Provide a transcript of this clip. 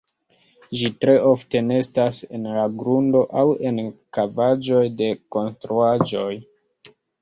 Ĝi tre ofte nestas en la grundo aŭ en kavaĵoj de konstruaĵoj.